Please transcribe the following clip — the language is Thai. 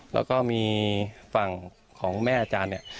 แล้วก็มีฝั่งของแม่อาจารย์เนี่ย